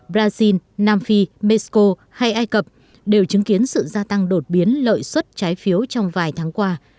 brazil nam phi mexico hay ai cập đều chứng kiến sự gia tăng đột biến lợi suất trái phiếu trong vài tháng qua